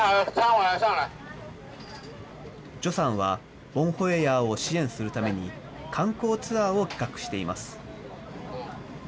徐さんはボンホエヤーを支援するために、観光ツアーを企画しています。